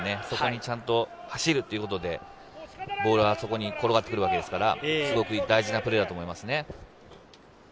そこにちゃんと走るっていうことで、ボールがそこに転がってくるわけですから、すごく大事なプレーだと思います。